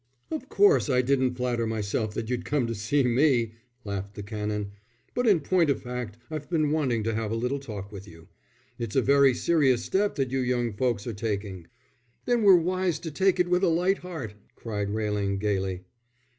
"Of course I didn't flatter myself that you'd come to see me," laughed the Canon. "But in point of fact I've been wanting to have a little talk with you. It's a very serious step that you young folks are taking." "Then we're wise to take it with a light heart," cried Railing, gaily.